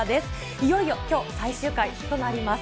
いよいよきょう、最終回となります。